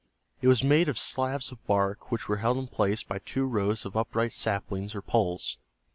It was made of slabs of bark which were held in place by two rows of upright saplings or poles.